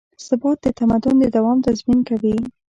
ثبات د تمدن د دوام تضمین کوي.